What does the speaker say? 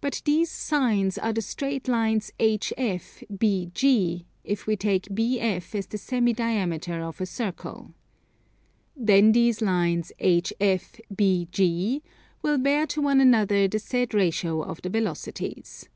But these sines are the straight lines HF, BG, if we take BF as the semi diameter of a circle. Then these lines HF, BG, will bear to one another the said ratio of the velocities.